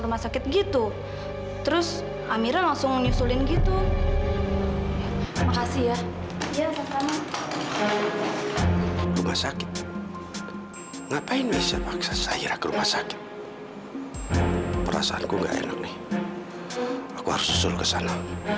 rumah sakit perasaanku enggak enak nih aku harus location uh aku tengah dan ikan ini aku kata adagendungan itu kan lo dia tidak tahu apa apa